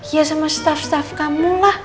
ya sama staff staff kamu lah